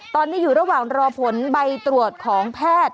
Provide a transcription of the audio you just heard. ตอนนี้อยู่ระหว่างรอผลใบตรวจของแพทย์